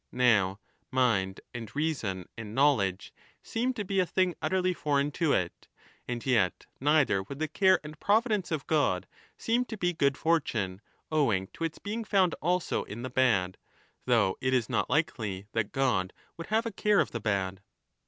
Now mind and reason and knowledge seem to be a thing utterly foreign to it. And yet neither would 15 the care and providence of God seem to be good fortune, owing to its being found also in the bad, though it is not likely that God would have a care of the bad.